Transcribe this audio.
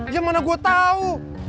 ya mana gua tau